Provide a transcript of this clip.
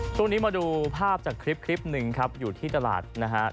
ช่วงนี้มาดูภาพจากคลิปคลิปหนึ่งครับอยู่ที่ตลาดนะฮะ